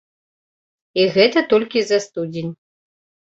І гэта толькі за студзень.